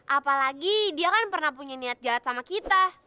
apalagi dia kan pernah punya niat jahat sama kita